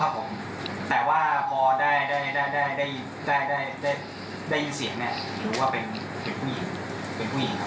เหตุที่เราจอดรถน่ะค่ะเพราะว่าเขาขับตามมาหรือยังไง